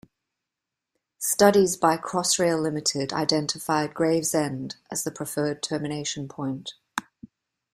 Studies by Crossrail Limited identified Gravesend as the preferred termination point.